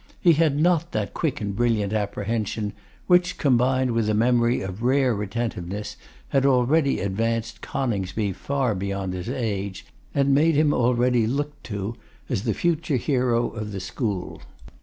He had not that quick and brilliant apprehension, which, combined with a memory of rare retentiveness, had already advanced Coningsby far beyond his age, and made him already looked to as the future hero of the school.